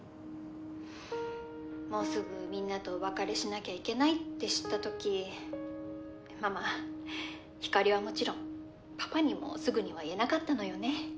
もうすぐみんなとお別れしなきゃいけないって知った時ママひかりはもちろんパパにもすぐには言えなかったのよね。